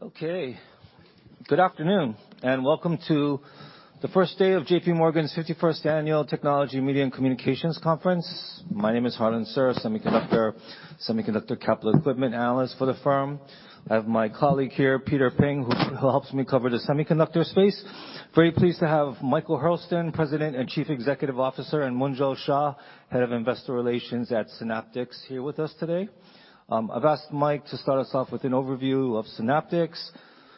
Okay. Good afternoon, and welcome to the first day of J.P. Morgan's 51st annual Technology, Media, and Communications Conference. My name is Harlan Sur, semiconductor capital equipment analyst for the firm. I have my colleague here, Peter Peng, who helps me cover the semiconductor space. Very pleased to have Michael Hurlston, President and Chief Executive Officer, and Munjal Shah, Head of Investor Relations at Synaptics here with us today. I've asked Mike to start us off with an overview of Synaptics,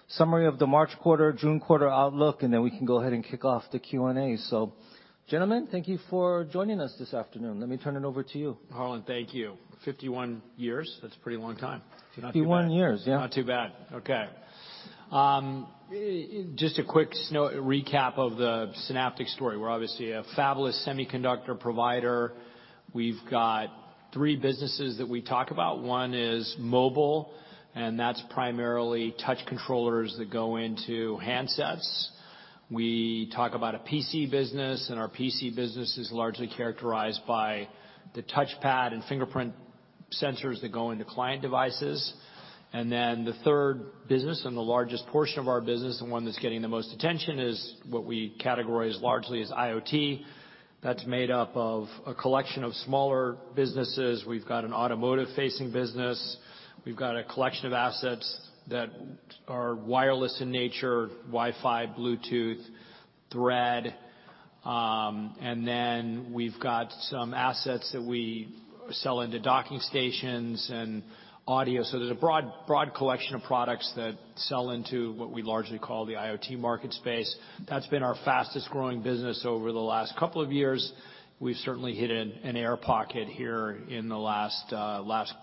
summary of the March quarter, June quarter outlook, and then we can go ahead and kick off the Q&A. Gentlemen, thank you for joining us this afternoon. Let me turn it over to you. Harlan, thank you. 51 years, that's a pretty long time. Not too bad. 51 years, yeah. Not too bad. Okay. Just a quick recap of the Synaptics story. We're obviously a fabless semiconductor provider. We've got three businesses that we talk about. One is mobile, and that's primarily touch controllers that go into handsets. We talk about a PC business, and our PC business is largely characterized by the touchpad and fingerprint sensors that go into client devices. The third business and the largest portion of our business and one that's getting the most attention is what we categorize largely as IoT. That's made up of a collection of smaller businesses. We've got an automotive-facing business. We've got a collection of assets that are wireless in nature, Wi-Fi, Bluetooth, Thread. We've got some assets that we sell into docking stations and audio. There's a broad collection of products that sell into what we largely call the IoT market space. That's been our fastest-growing business over the last couple of years. We've certainly hit an air pocket here in the last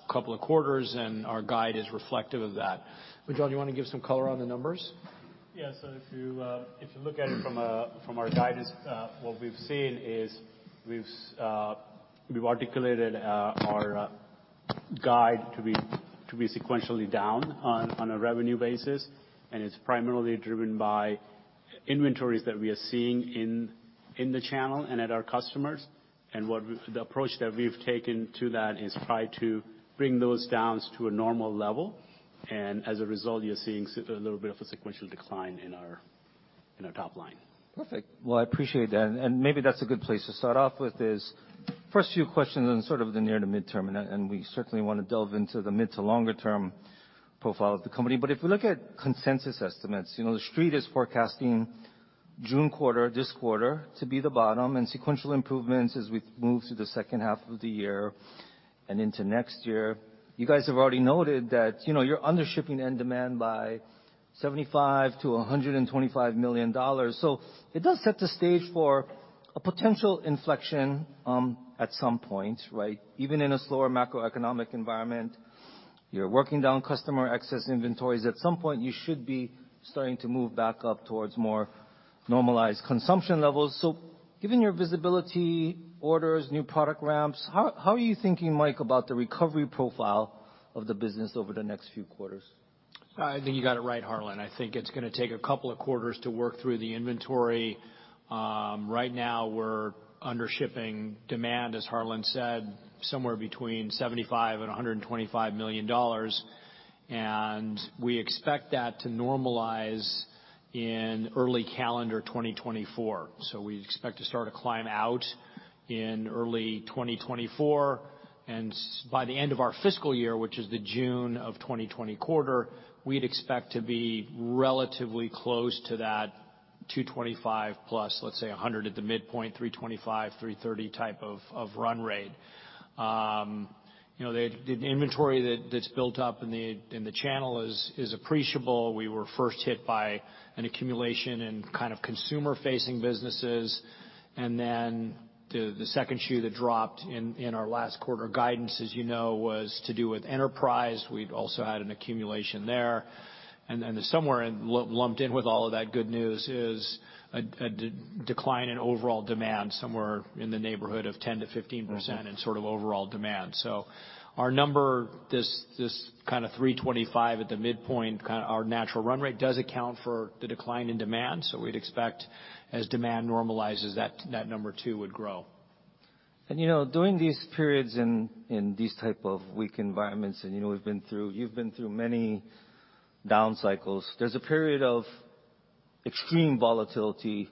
couple of quarters, and our guide is reflective of that. Munjal, do you wanna give some color on the numbers? If you, if you look at it from our guidance, what we've seen is we've articulated our guide to be sequentially down on a revenue basis. It's primarily driven by inventories that we are seeing in the channel and at our customers. The approach that we've taken to that is try to bring those downs to a normal level. As a result, you're seeing a little bit of a sequential decline in our top line. Perfect. Well, I appreciate that. Maybe that's a good place to start off with is first few questions on sort of the near to midterm, and we certainly wanna delve into the mid to longer term profile of the company. If we look at consensus estimates, you know, the Street is forecasting June quarter, this quarter, to be the bottom and sequential improvements as we move through the second half of the year and into next year. You guys have already noted that, you know, you're under shipping end demand by $75 million-$125 million. It does set the stage for a potential inflection at some point, right? Even in a slower macroeconomic environment, you're working down customer excess inventories. At some point, you should be starting to move back up towards more normalized consumption levels. Given your visibility, orders, new product ramps, how are you thinking, Mike, about the recovery profile of the business over the next few quarters? I think you got it right, Harlan. I think it's gonna take a couple of quarters to work through the inventory. Right now we're under shipping demand, as Harlan said, somewhere between $75 million and $125 million. We expect that to normalize in early calendar 2024. We expect to start a climb out in early 2024. By the end of our fiscal year, which is the June of 2020 quarter, we'd expect to be relatively close to that 225 plus, let's say, 100 at the midpoint, 325, 330 type of run rate. You know, the inventory that's built up in the channel is appreciable. We were first hit by an accumulation in kind of consumer-facing businesses. The second shoe that dropped in our last quarter guidance, as you know, was to do with enterprise. We'd also had an accumulation there. Somewhere lumped in with all of that good news is a decline in overall demand, somewhere in the neighborhood of 10%-15% in sort of overall demand. Our number, this kinda $325 at the midpoint, our natural run rate does account for the decline in demand. We'd expect as demand normalizes that that number too would grow. You know, during these periods in these type of weak environments, and, you know, we've been through, you've been through many down cycles, there's a period of extreme volatility,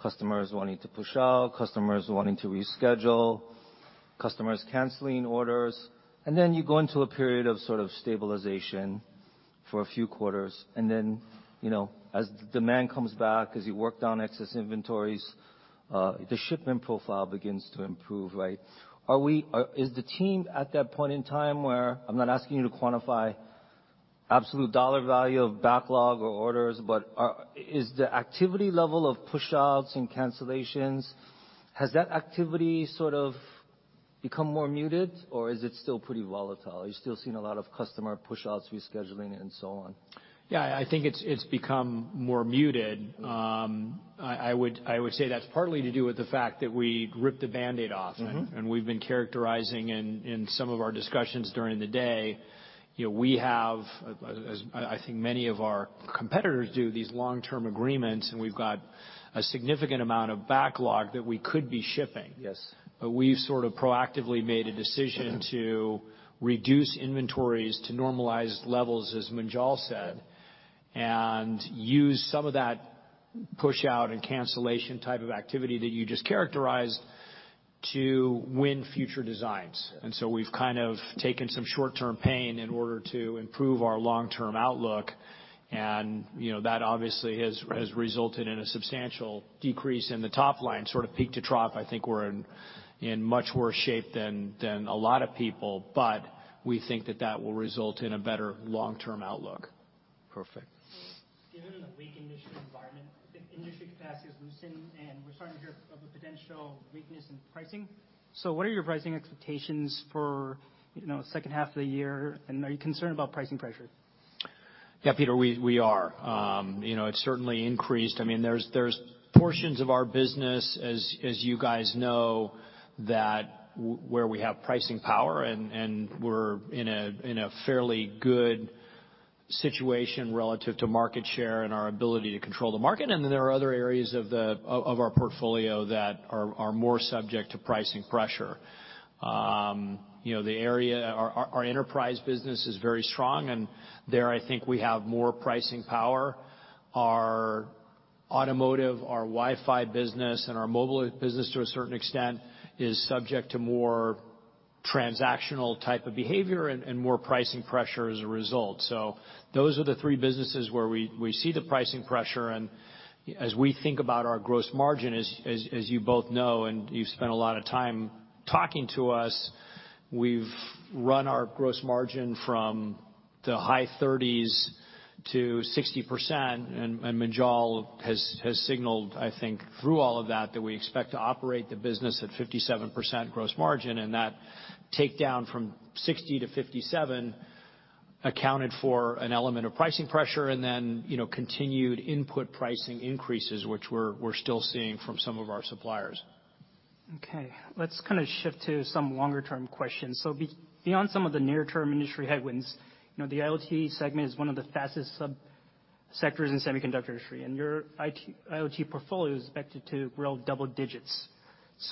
customers wanting to push out, customers wanting to reschedule, customers canceling orders. Then you go into a period of sort of stabilization for a few quarters. Then, you know, as demand comes back, as you work down excess inventories, the shipment profile begins to improve, right? Is the team at that point in time where, I'm not asking you to quantify absolute dollar value of backlog or orders, Is the activity level of push outs and cancellations, has that activity sort of become more muted, or is it still pretty volatile? Are you still seeing a lot of customer push outs, rescheduling and so on? Yeah. I think it's become more muted. I would say that's partly to do with the fact that we ripped the Band-Aid off. Mm-hmm. We've been characterizing in some of our discussions during the day, you know, we have, as I think many of our competitors do, these long-term agreements, and we've got a significant amount of backlog that we could be shipping. Yes. We've sort of proactively made a decision. Mm-hmm. to reduce inventories to normalized levels, as Munjal said, and use some of that Push out and cancellation type of activity that you just characterized to win future designs. We've kind of taken some short-term pain in order to improve our long-term outlook. You know, that obviously has resulted in a substantial decrease in the top line, sort of peak to trough. I think we're in much worse shape than a lot of people, but we think that that will result in a better long-term outlook. Perfect. Given the weak industry environment, I think industry capacity is loosened, and we're starting to hear of a potential weakness in pricing. What are your pricing expectations for, you know, second half of the year and are you concerned about pricing pressure? Yeah, Peter, we are. You know, it's certainly increased. I mean, there's portions of our business as you guys know, that where we have pricing power and we're in a fairly good situation relative to market share and our ability to control the market. There are other areas of our portfolio that are more subject to pricing pressure. You know, Our enterprise business is very strong, and there, I think we have more pricing power. Our automotive, our Wi-Fi business and our mobile business to a certain extent, is subject to more transactional type of behavior and more pricing pressure as a result. Those are the three businesses where we see the pricing pressure. As we think about our gross margin, as you both know, and you've spent a lot of time talking to us, we've run our gross margin from the high 30s to 60%, and Munjal has signaled, I think, through all of that we expect to operate the business at 57% gross margin, and that takedown from 60% to 57% accounted for an element of pricing pressure and then, you know, continued input pricing increases, which we're still seeing from some of our suppliers. Okay. Beyond some of the near term industry headwinds, you know, the IoT segment is one of the fastest subsectors in semiconductor industry, and your IoT portfolio is expected to grow double digits.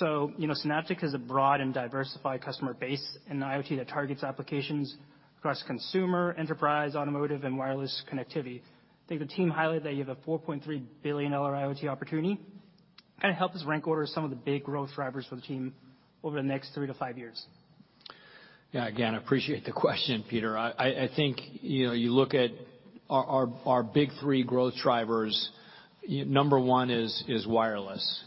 You know, Synaptics has a broad and diversified customer base in IoT that targets applications across consumer, enterprise, automotive, and wireless connectivity. I think the team highlighted that you have a $4.3 billion IoT opportunity. Kinda help us rank order some of the big growth drivers for the team over the next three to five years. Yeah. Again, appreciate the question, Peter. I think, you know, you look at our big 3 growth drivers, number 1 is wireless.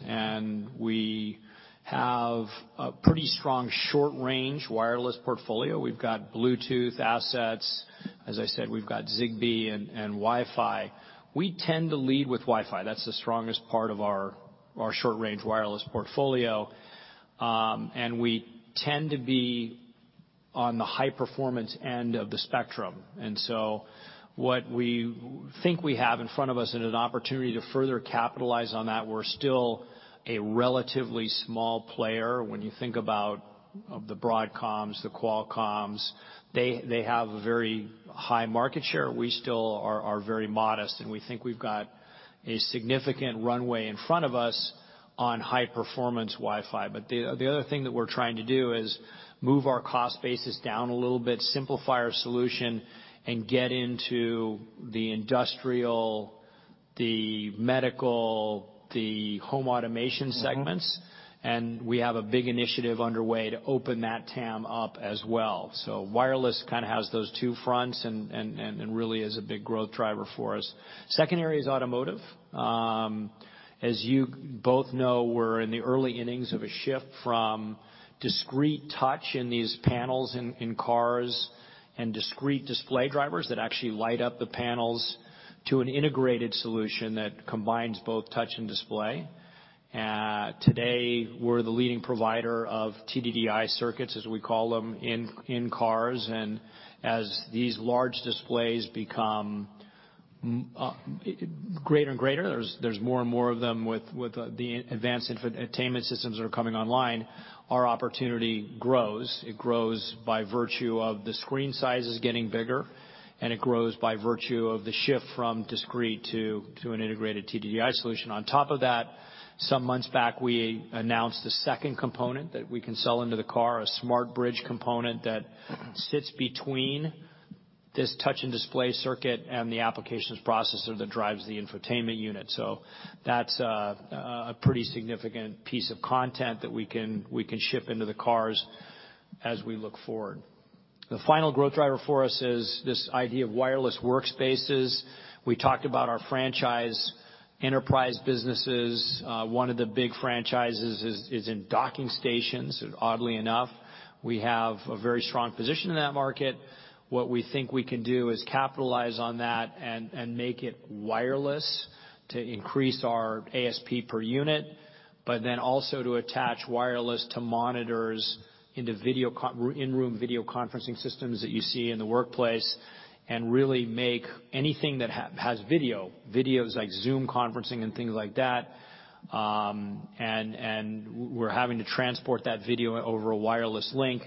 We have a pretty strong short-range wireless portfolio. We've got Bluetooth assets, as I said, we've got Zigbee and Wi-Fi. We tend to lead with Wi-Fi. That's the strongest part of our short-range wireless portfolio. We tend to be on the high-performance end of the spectrum. What we think we have in front of us and an opportunity to further capitalize on that, we're still a relatively small player. When you think about of the Broadcoms, the Qualcomm, they have a very high market share. We still are very modest, and we think we've got a significant runway in front of us on high-performance Wi-Fi. The other thing that we're trying to do is move our cost basis down a little bit, simplify our solution, and get into the industrial, the medical, the home automation segments. Mm-hmm. We have a big initiative underway to open that TAM up as well. Wireless kinda has those two fronts and really is a big growth driver for us. Second area is automotive. As you both know, we're in the early innings of a shift from discrete touch in these panels in cars and discrete display drivers that actually light up the panels to an integrated solution that combines both touch and display. Today we're the leading provider of TDDI circuits, as we call them, in cars. As these large displays become greater and greater, there's more and more of them with the advanced infotainment systems that are coming online, our opportunity grows. It grows by virtue of the screen size is getting bigger, and it grows by virtue of the shift from discrete to an integrated TDDI solution. On top of that, some months back, we announced the second component that we can sell into the car, a SmartBridge component that sits between this touch and display circuit and the applications processor that drives the infotainment unit. That's a pretty significant piece of content that we can ship into the cars as we look forward. The final growth driver for us is this idea of wireless workspaces. We talked about our franchise enterprise businesses. One of the big franchises is in docking stations. Oddly enough, we have a very strong position in that market. What we think we can do is capitalize on that and make it wireless to increase our ASP per unit, also to attach wireless to monitors into in-room video conferencing systems that you see in the workplace and really make anything that has video, videos like Zoom conferencing and things like that. We're having to transport that video over a wireless link.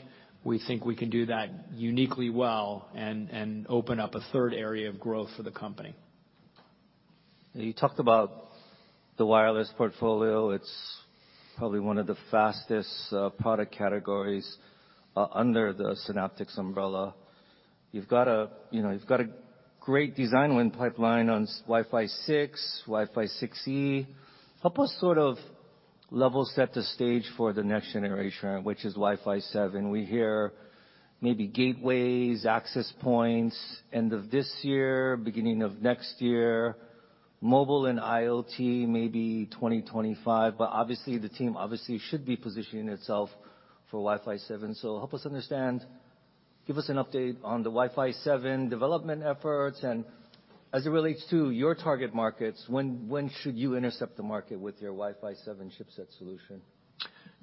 We think we can do that uniquely well and open up a third area of growth for the company. You talked about the wireless portfolio. It's probably one of the fastest product categories under the Synaptics umbrella. You've got a, you know, you've got a great design win pipeline on Wi-Fi 6, Wi-Fi 6E. Help us sort of level set the stage for the next generation, which is Wi-Fi 7. We hear maybe gateways, access points end of this year, beginning of next year. Mobile and IoT, maybe 2025. Obviously, the team obviously should be positioning itself for Wi-Fi 7. Help us understand. Give us an update on the Wi-Fi 7 development efforts and as it relates to your target markets, when should you intercept the market with your Wi-Fi 7 chipset solution?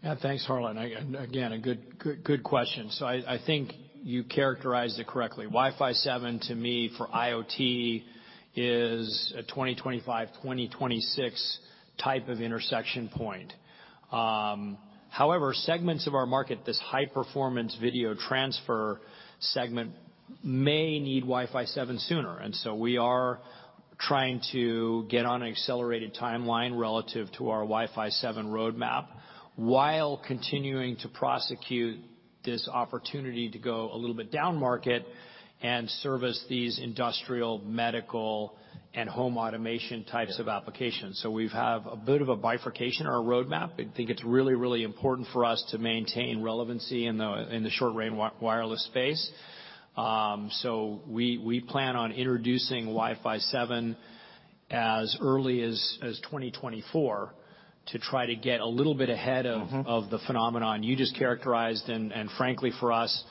Yeah, thanks, Harlan. Again, a good question. I think you characterized it correctly. Wi-Fi 7 to me for IoT is a 2025, 2026 type of intersection point. However, segments of our market, this high performance video transfer segment may need Wi-Fi 7 sooner. We are trying to get on an accelerated timeline relative to our Wi-Fi 7 roadmap while continuing to prosecute this opportunity to go a little bit down market and service these industrial, medical, and home automation types of applications. We've have a bit of a bifurcation on our roadmap. I think it's really important for us to maintain relevancy in the short range wireless space. We plan on introducing Wi-Fi 7 as early as 2024 to try to get a little bit ahead of. Mm-hmm... of the phenomenon you just characterized. Frankly for us,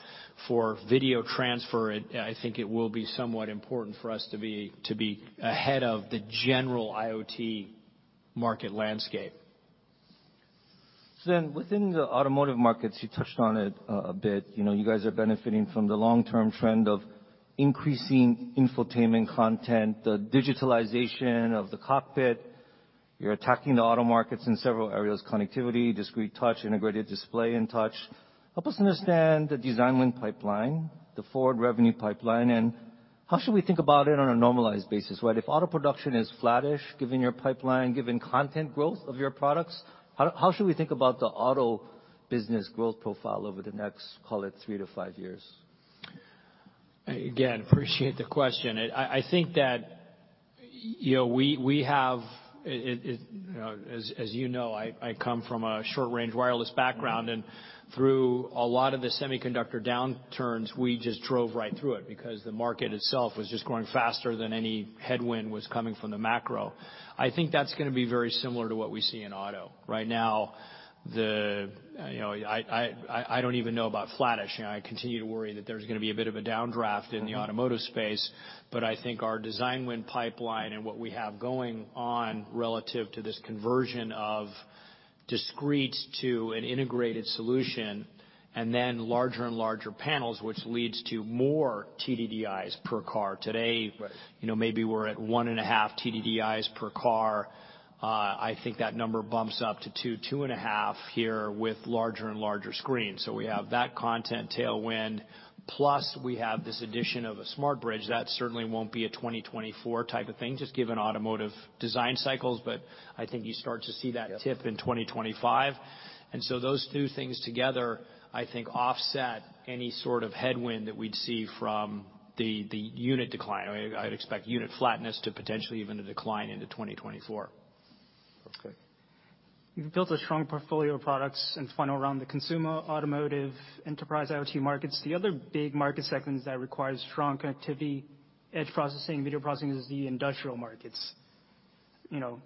for video transfer, I think it will be somewhat important for us to be, to be ahead of the general IoT market landscape. Within the automotive markets, you touched on it a bit. You know, you guys are benefiting from the long-term trend of increasing infotainment content, the digitalization of the cockpit. You're attacking the auto markets in several areas, connectivity, discrete touch, integrated display and touch. Help us understand the design win pipeline, the forward revenue pipeline, and how should we think about it on a normalized basis, right? If auto production is flattish, given your pipeline, given content growth of your products, how should we think about the auto business growth profile over the next, call it three to five years? Again, appreciate the question. I think that, you know, we have it, you know, as you know, I come from a short-range wireless background. Through a lot of the semiconductor downturns, we just drove right through it because the market itself was just growing faster than any headwind was coming from the macro. I think that's gonna be very similar to what we see in auto. Right now, the, you know, I, I don't even know about flattish. You know, I continue to worry that there's gonna be a bit of a downdraft in the automotive space, but I think our design win pipeline and what we have going on relative to this conversion of discrete to an integrated solution and then larger and larger panels, which leads to more TDDIs per car. Today- Right Maybe we're at one and a half TDDIs per car. I think that number bumps up to two and a half here with larger and larger screens. We have that content tailwind, plus we have this addition of a SmartBridge. That certainly won't be a 2024 type of thing, just given automotive design cycles, but I think you start to see that tip in 2025. Those two things together, I think, offset any sort of headwind that we'd see from the unit decline. I'd expect unit flatness to potentially even a decline into 2024. Okay. You've built a strong portfolio of products and funnel around the consumer automotive enterprise IoT markets. The other big market segments that requires strong connectivity, edge processing, video processing is the industrial markets. You know,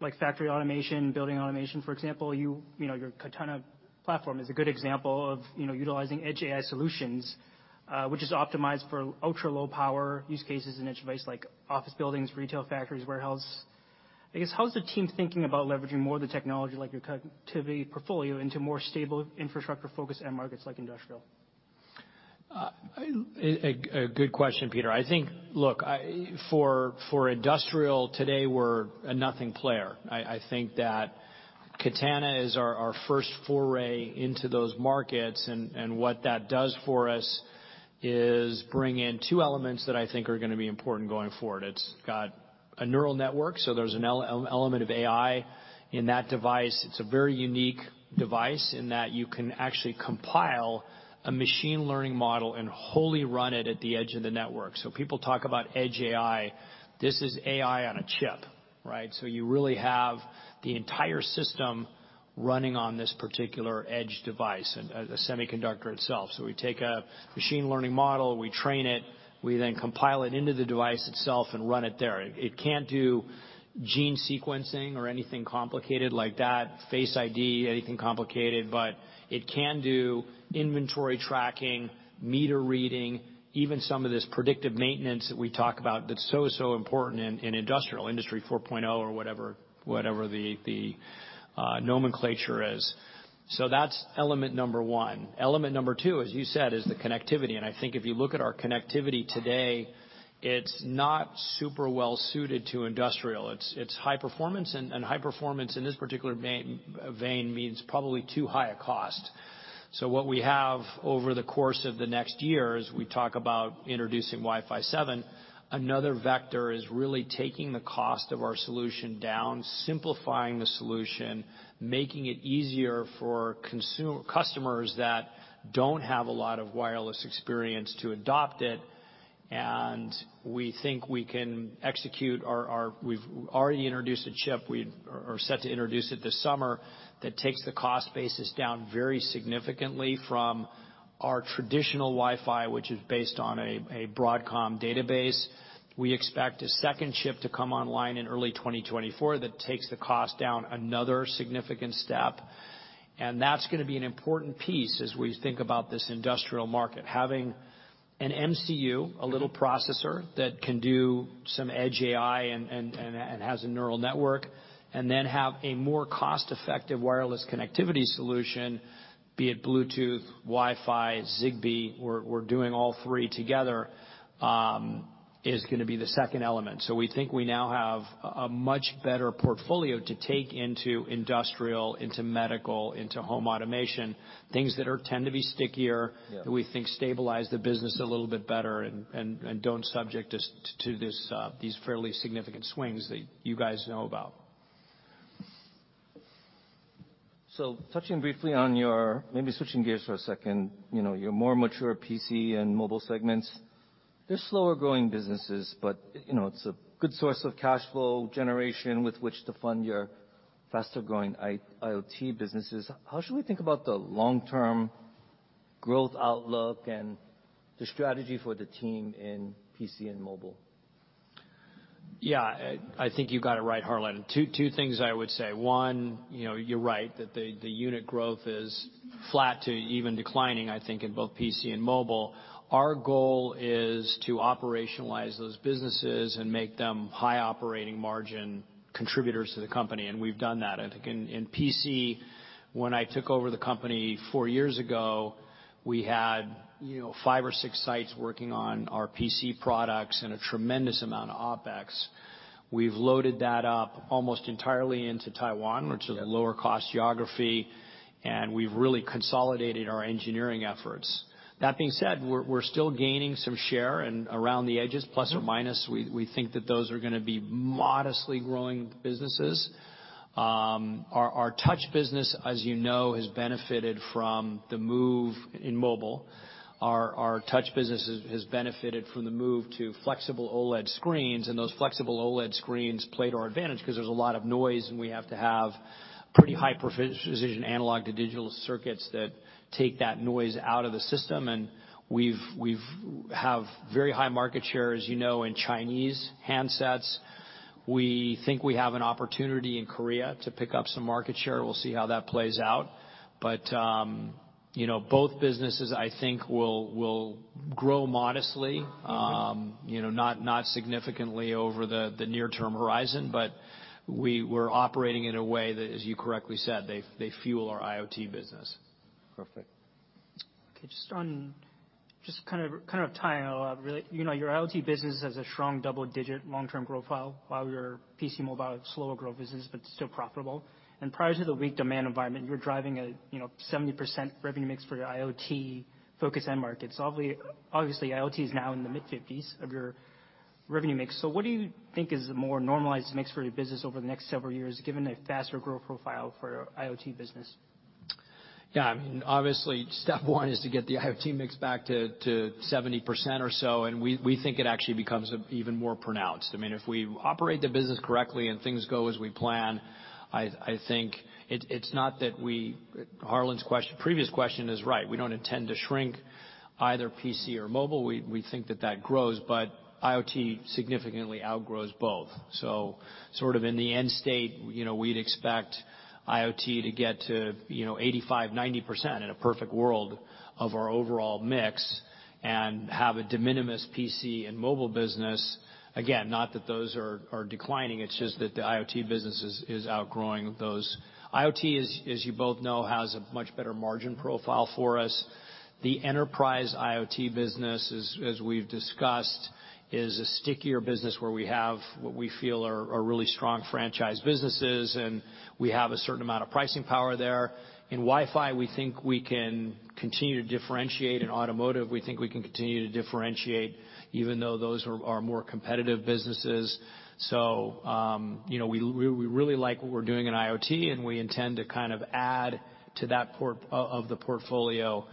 like factory automation, building automation, for example. You know, your Katana platform is a good example of, utilizing edge AI solutions, which is optimized for ultra-low power use cases in edge device like office buildings, retail factories, warehouse. I guess, how is the team thinking about leveraging more of the technology like your connectivity portfolio into more stable infrastructure-focused end markets like industrial? A good question, Peter. I think, look, for industrial today, we're a nothing player. I think that Katana is our first foray into those markets, and what that does for us is bring in two elements that I think are gonna be important going forward. It's got a neural network, so there's an element of AI in that device. It's a very unique device in that you can actually compile a machine learning model and wholly run it at the edge of the network. People talk about edge AI. This is AI on a chip, right? You really have the entire system running on this particular edge device and the semiconductor itself. We take a machine learning model, we train it, we then compile it into the device itself and run it there. It can't do gene sequencing or anything complicated like that, Face ID, anything complicated, but it can do inventory tracking, meter reading, even some of this predictive maintenance that we talk about that's so important in industrial, Industry 4.0 or whatever the nomenclature is. That's element number one. Element number two, as you said, is the connectivity. I think if you look at our connectivity today, it's not super well suited to industrial. It's high performance, and high performance in this particular vein means probably too high a cost. What we have over the course of the next year is we talk about introducing Wi-Fi 7. Another vector is really taking the cost of our solution down, simplifying the solution, making it easier for customers that don't have a lot of wireless experience to adopt it. We think we can execute. We've already introduced a chip, we are set to introduce it this summer, that takes the cost basis down very significantly from our traditional Wi-Fi, which is based on a Broadcom design base. We expect a second chip to come online in early 2024 that takes the cost down another significant step. That's gonna be an important piece as we think about this industrial market. Having an MCU, a little processor, that can do some edge AI and has a neural network, and then have a more cost-effective wireless connectivity solution, be it Bluetooth, Wi-Fi, Zigbee, we're doing all three together, is going to be the second element. We think we now have a much better portfolio to take into industrial, into medical, into home automation, things that tend to be stickier- Yeah. that we think stabilize the business a little bit better and don't subject us to this, these fairly significant swings that you guys know about. Touching briefly on your maybe switching gears for a second. Your more mature PC and mobile segments, they're slower growing businesses, but, you know, it's a good source of cash flow generation with which to fund your faster growing I-IoT businesses. How should we think about the long-term growth outlook and the strategy for the team in PC and mobile? I think you got it right, Harlan. 2 things I would say. One, you're right that the unit growth is flat to even declining, I think, in both PC and mobile. Our goal is to operationalize those businesses and make them high operating margin contributors to the company. We've done that. I think in PC, when I took over the company 4 years ago, we had, you know, 5 or 6 sites working on our PC products and a tremendous amount of OpEx. We've loaded that up almost entirely into Taiwan. Yeah. which is a lower cost geography, and we've really consolidated our engineering efforts. That being said, we're still gaining some share and around the edges, plus or minus. We think that those are going to be modestly growing businesses. Our touch business, as you know, has benefited from the move in mobile. Our touch business has benefited from the move to flexible OLED screens, and those flexible OLED screens played to our advantage because there's a lot of noise, and we have to have pretty high precision analog to digital circuits that take that noise out of the system. We've have very high market share, as you know, in Chinese handsets. We think we have an opportunity in Korea to pick up some market share. We'll see how that plays out. You know, both businesses, I think, will grow modestly. You know, not significantly over the near-term horizon, but we were operating in a way that, as you correctly said, they fuel our IoT business. Perfect. Okay. Just kind of tying a lot really. You know, your IoT business has a strong double-digit long-term growth file. Your PC and mobile have slower growth business, but still profitable. Prior to the weak demand environment, you were driving a, you know, 70% revenue mix for your IoT focus end markets. Obviously, IoT is now in the mid-fifties of your revenue mix. What do you think is the more normalized mix for your business over the next several years, given a faster growth profile for your IoT business? Yeah. I mean, obviously, step one is to get the IoT mix back to 70% or so, we think it actually becomes even more pronounced. I mean, if we operate the business correctly and things go as we plan, I think it's not that we. Harlan's previous question is right. We don't intend to shrink either PC or mobile. We think that grows, IoT significantly outgrows both. Sort of in the end state, you know, we'd expect IoT to get to, you know, 85%, 90% in a perfect world of our overall mix and have a de minimis PC and mobile business. Again, not that those are declining, it's just that the IoT business is outgrowing those. IoT is, as you both know, has a much better margin profile for us. The enterprise IoT business, as we've discussed, is a stickier business where we have what we feel are really strong franchise businesses, and we have a certain amount of pricing power there. In Wi-Fi, we think we can continue to differentiate. In automotive, we think we can continue to differentiate, even though those are more competitive businesses. you know, we really like what we're doing in IoT, and we intend to kind of add to that portfolio,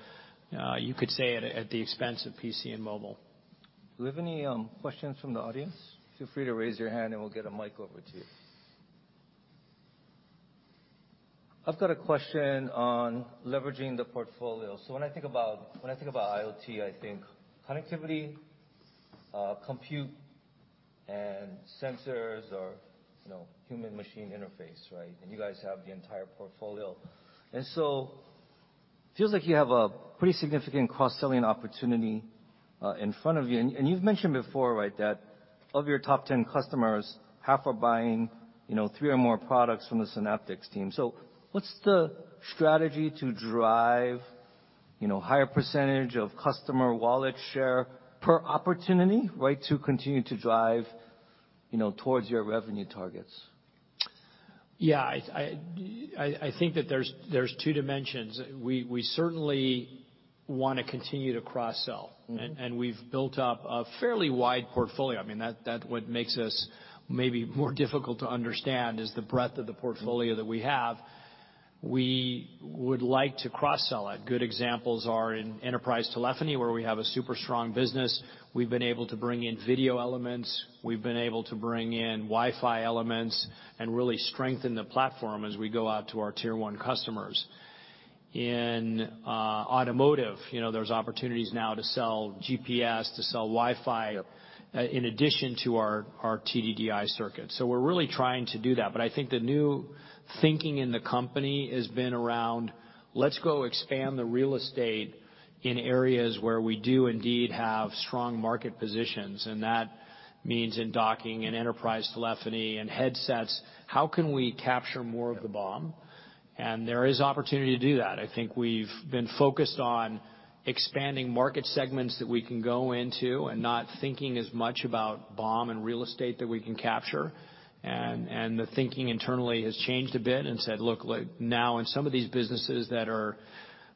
you could say at the expense of PC and mobile. Do we have any questions from the audience? Feel free to raise your hand and we'll get a mic over to you. I've got a question on leveraging the portfolio. When I think about, when I think about IoT, I think connectivity, compute, and sensors or, you know, human machine interface, right? You guys have the entire portfolio. Feels like you have a pretty significant cross-selling opportunity in front of you. You've mentioned before, right, that of your top 10 customers, half are buying, you know, three or more products from the Synaptics team. What's the strategy to drive higher percentage of customer wallet share per opportunity, right, to continue to drive towards your revenue targets? Yeah. I think that there's two dimensions. We certainly wanna continue to cross-sell. Mm-hmm. And we've built up a fairly wide portfolio. I mean, that what makes us maybe more difficult to understand, is the breadth of the portfolio that we have. We would like to cross-sell it. Good examples are in enterprise telephony, where we have a super strong business. We've been able to bring in video elements, we've been able to bring in Wi-Fi elements and really strengthen the platform as we go out to our tier one customers. In automotive, you know, there's opportunities now to sell GPS, to sell Wi-Fi, in addition to our TDDI circuits. We're really trying to do that. I think the new thinking in the company has been around, let's go expand the real estate in areas where we do indeed have strong market positions, and that means in docking and enterprise telephony and headsets, how can we capture more of the BOM? There is opportunity to do that. I think we've been focused on expanding market segments that we can go into and not thinking as much about BOM and real estate that we can capture. The thinking internally has changed a bit and said, "Look like now, in some of these businesses that are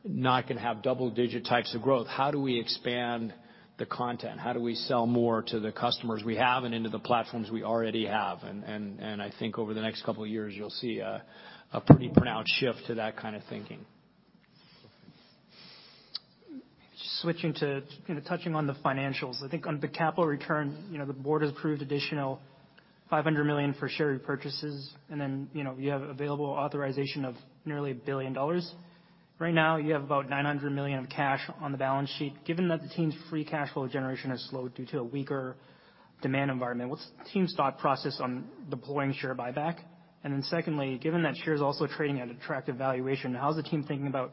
not gonna have double-digit types of growth, how do we expand the content? How do we sell more to the customers we have and into the platforms we already have? I think over the next couple of years you'll see a pretty pronounced shift to that kind of thinking. Switching to, you know, touching on the financials. I think on the capital return, you know, the board has approved additional $500 million for share repurchases, and then, you know, you have available authorization of nearly $1 billion. Right now you have about $900 million of cash on the balance sheet. Given that the team's free cash flow generation has slowed due to a weaker demand environment, what's the team's thought process on deploying share buyback? Secondly, given that share is also trading at attractive valuation, how's the team thinking about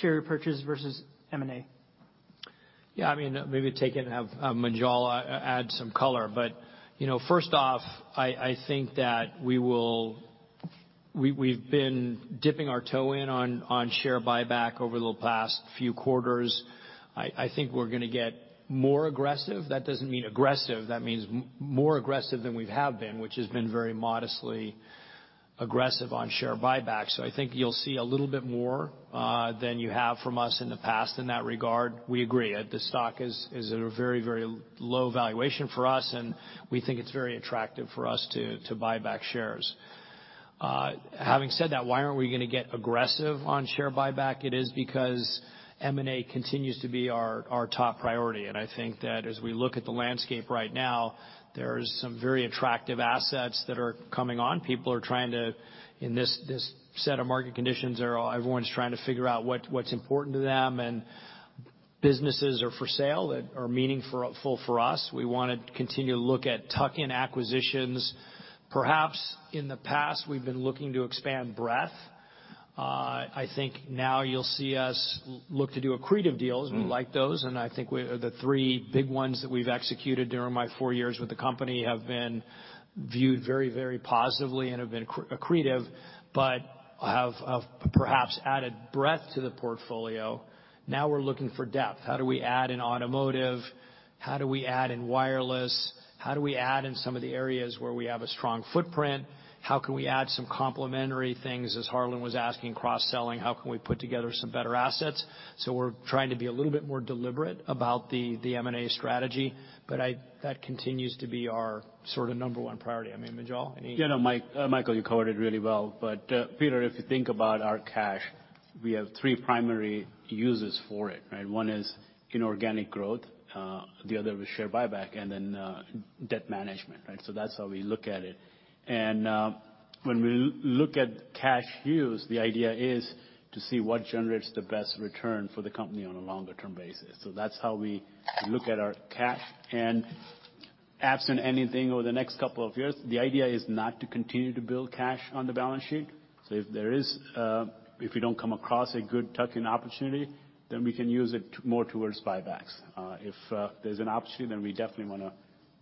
share repurchase versus M&A? Yeah, I mean, maybe take it and have Munjal add some color. You know, first off, I think that We've been dipping our toe in on share buyback over the past few quarters. I think we're gonna get more aggressive. That doesn't mean aggressive. That means more aggressive than we have been, which has been very modestly aggressive on share buybacks. I think you'll see a little bit more than you have from us in the past in that regard. We agree. The stock is at a very, very low valuation for us, and we think it's very attractive for us to buy back shares. Having said that, why aren't we gonna get aggressive on share buyback? It is because M&A continues to be our top priority. I think that as we look at the landscape right now, there's some very attractive assets that are coming on. People are trying to in this set of market conditions, everyone's trying to figure out what's important to them and businesses are for sale that are meaningful for us. We wanna continue to look at tuck-in acquisitions. Perhaps in the past, we've been looking to expand breadth. I think now you'll see us look to do accretive deals. We like those, and I think we The three big ones that we've executed during my four years with the company have been viewed very, very positively and have been accretive, but have perhaps added breadth to the portfolio. Now we're looking for depth. How do we add in automotive? How do we add in wireless? How do we add in some of the areas where we have a strong footprint? How can we add some complementary things, as Harlan was asking, cross-selling? How can we put together some better assets? We're trying to be a little bit more deliberate about the M&A strategy, but that continues to be our sort of number one priority. I mean, Munjal, any... Yeah, no, Michael, you covered it really well. Peter, if you think about our cash, we have three primary uses for it, right? One is inorganic growth, the other is share buyback, and then debt management, right? That's how we look at it. When we look at cash use, the idea is to see what generates the best return for the company on a longer term basis. That's how we look at our cash. Absent anything over the next 2 years, the idea is not to continue to build cash on the balance sheet. If there is, if we don't come across a good tuck-in opportunity, then we can use it more towards buybacks. If there's an opportunity, then we definitely wanna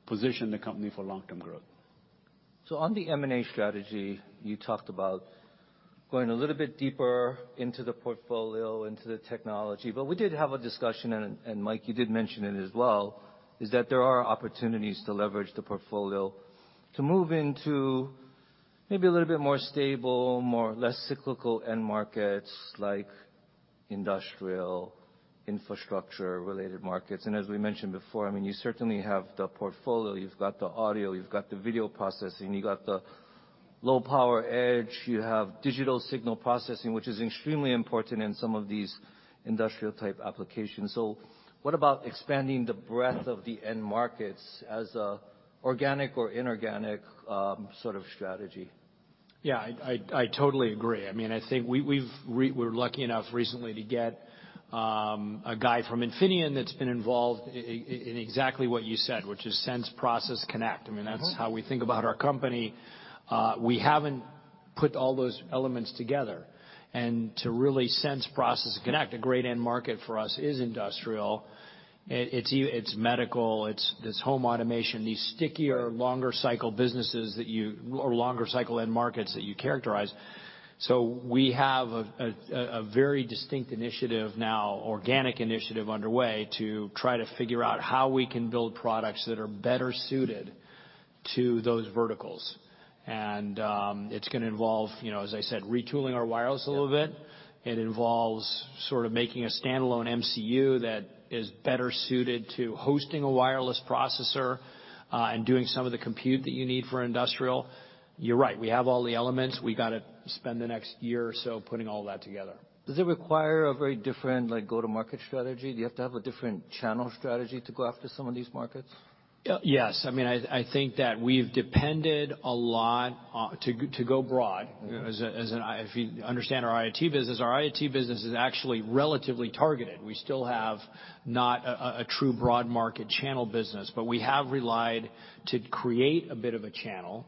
position the company for long-term growth. On the M&A strategy, you talked about going a little bit deeper into the portfolio, into the technology. We did have a discussion, and Mike, you did mention it as well, is that there are opportunities to leverage the portfolio to move into maybe a little bit more stable, less cyclical end markets like industrial, infrastructure related markets. As we mentioned before, I mean, you certainly have the portfolio, you've got the audio, you've got the video processing, you got the low power edge, you have digital signal processing, which is extremely important in some of these industrial type applications. What about expanding the breadth of the end markets as a organic or inorganic, sort of strategy? I totally agree. I mean, I think we're lucky enough recently to get a guy from Infineon that's been involved in exactly what you said, which is sense, process, connect. I mean, that's how we think about our company. We haven't put all those elements together. To really sense, process, and connect, a great end market for us is industrial. It's medical, it's home automation, these stickier longer cycle businesses or longer cycle end markets that you characterize. We have a very distinct initiative now, organic initiative underway to try to figure out how we can build products that are better suited to those verticals. It's gonna involve, you know, as I said, retooling our wireless a little bit. It involves sort of making a standalone MCU that is better suited to hosting a wireless processor, and doing some of the compute that you need for industrial. You're right, we have all the elements. We gotta spend the next year or so putting all that together. Does it require a very different, like, go-to-market strategy? Do you have to have a different channel strategy to go after some of these markets? Yes. I mean, I think that we've depended a lot to go broad. As an if you understand our IoT business, our IoT business is actually relatively targeted. We still have not a true broad market channel business, but we have relied to create a bit of a channel.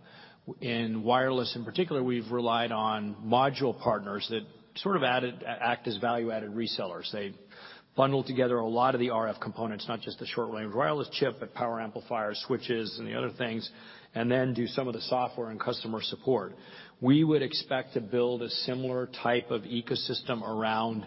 In wireless, in particular, we've relied on module partners that sort of act as value-added resellers. They bundle together a lot of the RF components, not just the short-range wireless chip, but power amplifiers, switches, and the other things, and then do some of the software and customer support. We would expect to build a similar type of ecosystem around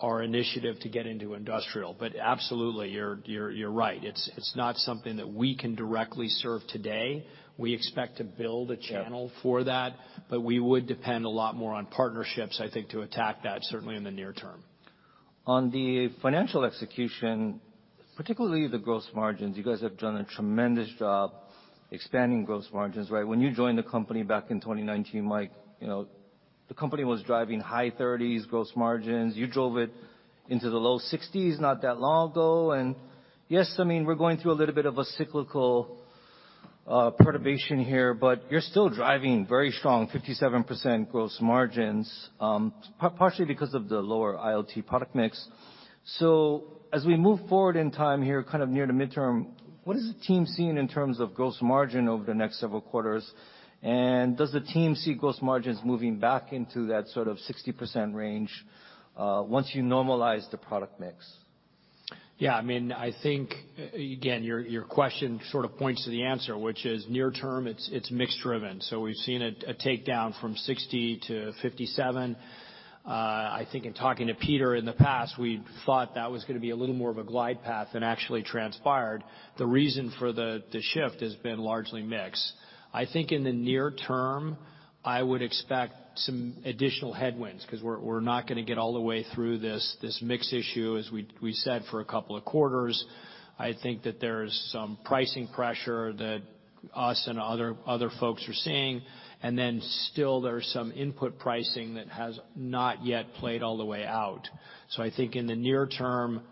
our initiative to get into industrial. Absolutely, you're right. It's not something that we can directly serve today. We expect to build a channel for that, but we would depend a lot more on partnerships, I think, to attack that, certainly in the near term. On the financial execution, particularly the gross margins, you guys have done a tremendous job expanding gross margins, right? When you joined the company back in 2019, Mike, you know, the company was driving high 30% gross margins. You drove it into the low 60% not that long ago. Yes, I mean, we're going through a little bit of a cyclical perturbation here, but you're still driving very strong 57% gross margins, partially because of the lower IoT product mix. As we move forward in time here, kind of near the midterm, what is the team seeing in terms of gross margin over the next several quarters? Does the team see gross margins moving back into that sort of 60% range once you normalize the product mix? I mean, I think, again, your question sort of points to the answer, which is near term, it's mix driven. We've seen a takedown from 60 to 57. I think in talking to Peter in the past, we thought that was gonna be a little more of a glide path than actually transpired. The reason for the shift has been largely mix. I think in the near term, I would expect some additional headwinds 'cause we're not gonna get all the way through this mix issue, as we said, for 2 quarters. I think that there's some pricing pressure that us and other folks are seeing. Still there's some input pricing that has not yet played all the way out. I think in the near term,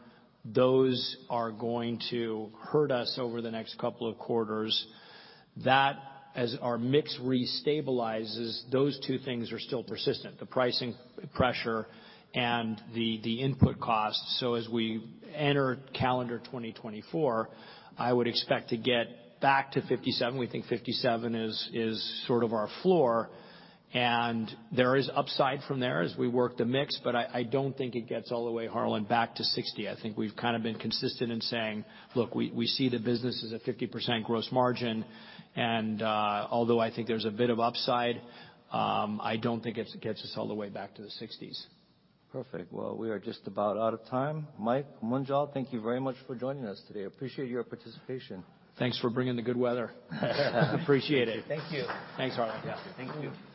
those are going to hurt us over the next couple of quarters. That, as our mix restabilizes, those two things are still persistent, the pricing pressure and the input costs. As we enter calendar 2024, I would expect to get back to 57%. We think 57% is sort of our floor, and there is upside from there as we work the mix, but I don't think it gets all the way, Harlan, back to 60%. I think we've kinda been consistent in saying, "Look, we see the business as a 50% gross margin, and although I think there's a bit of upside, I don't think it gets us all the way back to the 60s. Well, we are just about out of time. Mike Munjal, thank you very much for joining us today. Appreciate your participation. Thanks for bringing the good weather. Appreciate it. Thank you. Thanks, Harlan. Thank you.